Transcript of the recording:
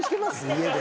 家で。